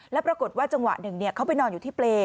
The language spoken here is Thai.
แล้วปรากฏว่าจังหวะหนึ่งเขาไปนอนอยู่ที่เปรย